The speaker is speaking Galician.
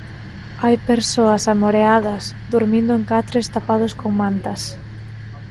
Hai persoas amoreadas, durmindo en catres tapados con mantas.